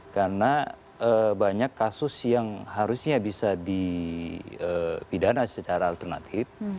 karena banyak kasus yang harusnya bisa dipidana secara alternatif